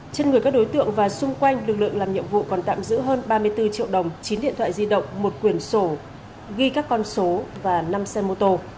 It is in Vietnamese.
trên người các đối tượng và xung quanh lực lượng làm nhiệm vụ còn tạm giữ hơn ba mươi bốn triệu đồng chín điện thoại di động một quyển sổ ghi các con số và năm xe mô tô